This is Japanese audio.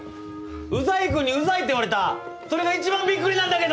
ウザいくんにウザいって言われたそれが一番ビックリなんだけど！